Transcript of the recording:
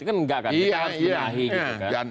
kan enggak kan kita harus benahi gitu kan